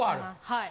はい。